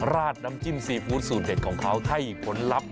ราดน้ำจิ้มซีฟู้ดสูตรเด็ดของเขาให้ผลลัพธ์